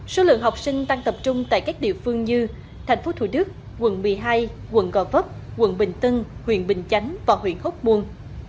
số lượng học sinh tăng tập trung tại các địa phương như tp thủ đức quận một mươi hai quận gò vấp quận bình tân huyện bình chánh và huyện hốt muôn